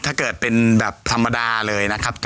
ถ้าเกิดเป็นแบบธรรมดาเลยนะครับ